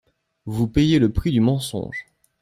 Vous payez le prix du mensonge